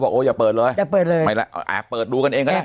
บอกโอ๊ยอย่าเปิดเลยไม่ด้วยอ่อแอบเปิดดูกันเองก็ได้